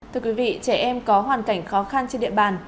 thưa quý vị trẻ em có hoàn cảnh khó khăn trên địa bàn